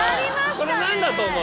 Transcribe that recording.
これ何だと思う？